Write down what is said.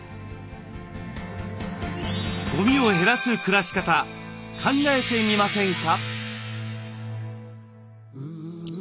ゴミを減らす暮らし方考えてみませんか？